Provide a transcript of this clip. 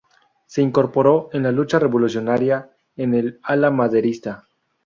Se incorporó en la lucha revolucionaria en el ala maderista.